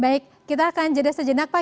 baik kita akan jeda sejenak pak